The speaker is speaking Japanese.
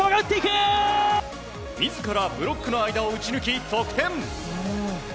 自らブロックの間を打ち抜き得点。